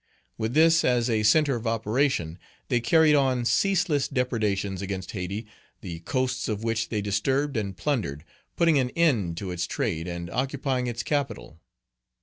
With this as a centre of operation, they carried on ceaseless depredations against Hayti, the coasts of which they disturbed and plundered, putting an end to its trade, and occupying its capital.